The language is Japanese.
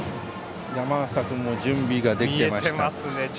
山浅君も準備ができていました。